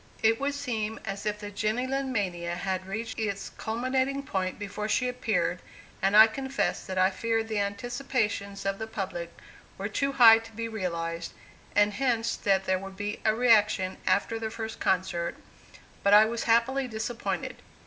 It would seem as if the Jenny Lind mania had reached its culminating point before she appeared, and I confess that I feared the anticipations of the public were too high to be realized, and hence that there would be a reaction after the first concert; but I was happily disappointed.